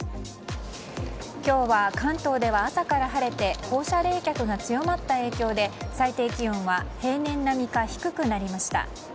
今日は関東では朝から晴れて放射冷却が強まった影響で最低気温は平年並みか低くなりました。